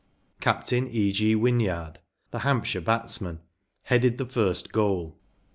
‚ÄĚ Captain E. G. Wynyard, the Hampshire batsman, headed the first goal.